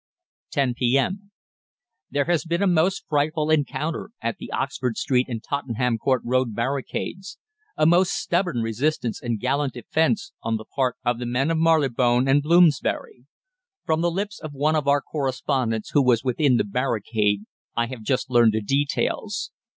"10 P.M. "There has been a most frightful encounter at the Oxford Street and Tottenham Court Road barricades a most stubborn resistance and gallant defence on the part of the men of Marylebone and Bloomsbury. "From the lips of one of our correspondents who was within the barricade I have just learned the details.